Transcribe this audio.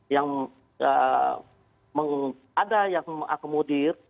yang ada yang akomodir